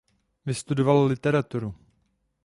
Vystudoval literaturu.